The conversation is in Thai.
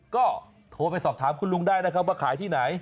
ก็โทรไปสอบถามคุณลุงได้นะครับว่าขายที่ไหน